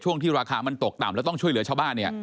ช่วงที่ราคามันตกต่ำและต้องช่วยเหลือชาวบ้าน